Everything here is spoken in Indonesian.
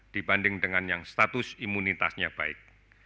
dibanding dengan yang status imunitasnya baik